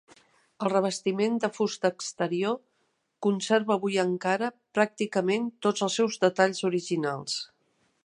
El revestiment de fusta exterior conserva avui encara pràcticament tots els seus detalls originals.